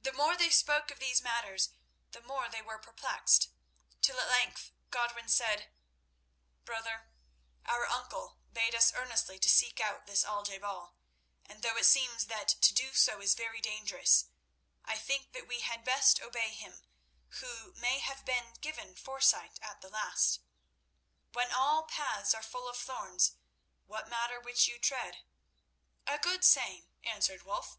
The more they spoke of these matters the more they were perplexed, till at length Godwin said: "Brother, our uncle bade us earnestly to seek out this Al je bal, and though it seems that to do so is very dangerous, I think that we had best obey him who may have been given foresight at the last. When all paths are full of thorns what matter which you tread?" "A good saying," answered Wulf.